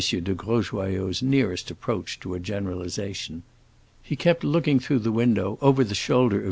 de Grosjoyaux's nearest approach to a generalization. He kept looking through the window, over the shoulder of M.